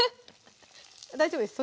大丈夫です